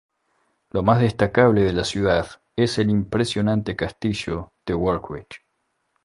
Lo más destacable de la ciudad es el impresionante castillo de Warwick.